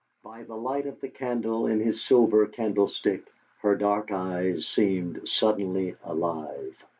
By the light of the candle in his silver candlestick her dark eyes seemed suddenly alive.